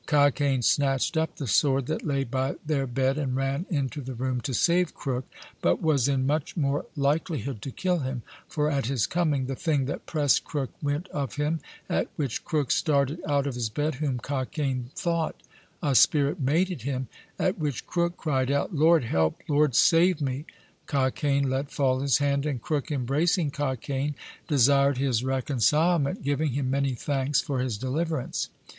Cockaine snacht up the sword that lay by their bed, and ran into the room to save Crook, but was in much more likelyhood to kill him, for at his coming, the thing that pressed Crook went of him, at which Crook started out of his bed, whom Cockaine thought a spirit made at him, at which Crook cried out "Lord help, Lord save me;" Cockaine let fall his hand, and Crook, embracing Cockaine, desired his reconcilement, giving him many thanks for his deliverance.